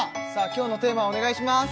今日のテーマお願いします